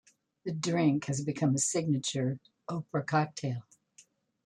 The drink has become a signature "Oprah" cocktail.